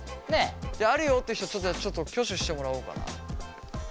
あるよって人ちょっと挙手してもらおうかな。